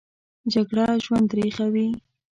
جګړه ژوند تریخوي